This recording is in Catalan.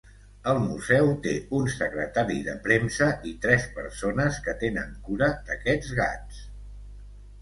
El museu té un secretari de premsa, i tres persones que tenen cura d'aquests gats.